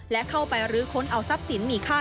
และเข้าไปลือค้นเอาซับสินมีค่า